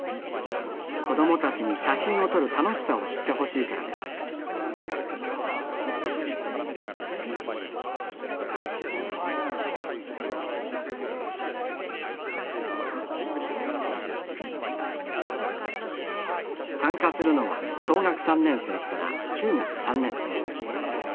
子供たちに写真を撮る楽しさを知ってほしいからです参加するのは小学３年生から中学３年生。